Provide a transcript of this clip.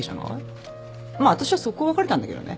まあ私は即行別れたんだけどね。